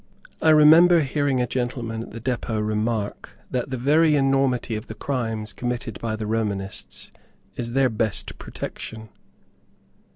I remember hearing a gentleman at the depot remark that the very enormity of the crimes committed by the Romanists, is their best protection.